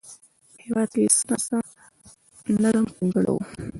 په هېواد کې یې څه ناڅه نظم ټینګ کړی و